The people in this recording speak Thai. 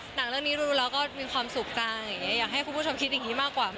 หนังเรื่องนี้รู้แล้วก็มีความสุขจังอย่างนี้อยากให้คุณผู้ชมคิดอย่างนี้มากกว่า